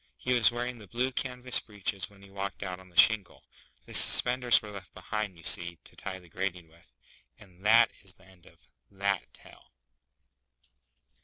He was wearing the blue canvas breeches when he walked out on the shingle. The suspenders were left behind, you see, to tie the grating with; and that is the end of that tale.